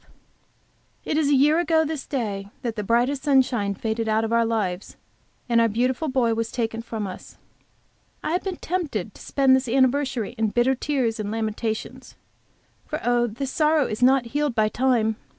It is a year ago this day that the brightest sunshine faded out of our lives, and our beautiful boy was taken from us. I have been tempted to spend this anniversary in bitter tears and lamentations. For oh, this sorrow is not healed by time!